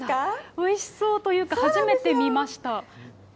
おいしそうというか、初めて見ました。